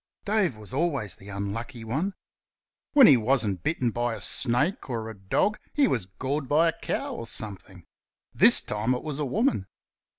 Dave was always the unlucky one. When he wasn't bitten by a snake or a dog he was gored by a cow or something. This time it was a woman.